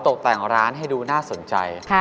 ตกแต่งร้านให้ดูน่าสนใจ